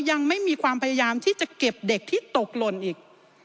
ยังไม่มีความพยายามที่จะเก็บเด็กที่ตกหล่นอีก